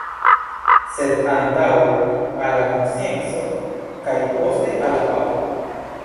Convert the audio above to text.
Sed antaŭe al la konscienco kaj poste al la papo”.